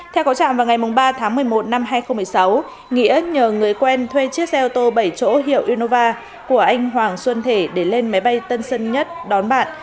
theo có trạng vào ngày ba tháng một mươi một năm hai nghìn một mươi sáu nghĩa nhờ người quen thuê chiếc xe ô tô bảy chỗ hiệu unova của anh hoàng xuân thể để lên máy bay tân sơn nhất đón bạn